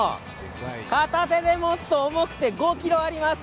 片手で持つと重くて５ｋｇあります。